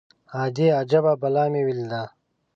_ادې! اجبه بلا مې وليده.